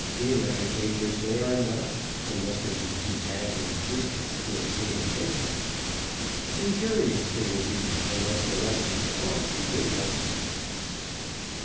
Inefficacious they are not, unless they be too badly preached to obtain attention. Injurious they will be unless the lessons taught be good lessons.